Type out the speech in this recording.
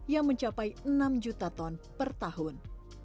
yang mencapai enam juta ton per tahun